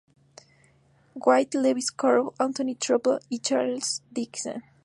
White, Lewis Carroll, Anthony Trollope y Charles Dickens.